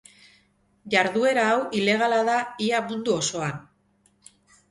Jarduera hau ilegala da ia mundu osoan.